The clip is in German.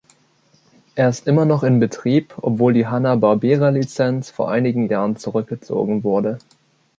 Er ist immer noch in Betrieb, obwohl die Hanna-Barbera-Lizenz vor einigen Jahren zurückgezogen wurde.